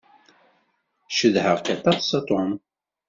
Cedheɣ-k aṭas a Tom.